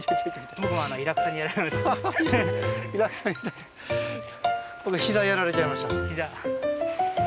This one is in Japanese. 僕は膝をやられちゃいました。